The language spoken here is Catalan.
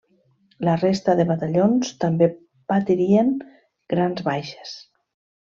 La resta de batallons també patirien grans baixes.